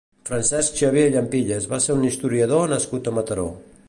Francesc Xavier Llampilles va ser un historiador nascut a Mataró.